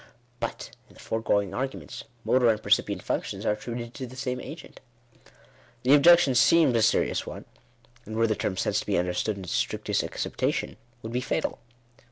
But in the fore going arguments, motor and percipient functions are attributed to the same agent. The objection seems a serious one ; and were the term sense Digitized by VjOOQIC INTRODUCTION. 25 to be understood in its strictest acceptation, would be fatal.